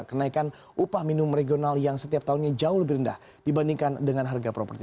kenaikan upah minimum regional yang setiap tahunnya jauh lebih rendah dibandingkan dengan harga properti